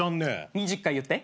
２０回言って。